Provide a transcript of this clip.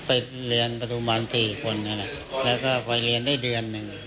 ไปเรียนประธุบาล๔คนและควรเรียนได้เดือนหนึ่ง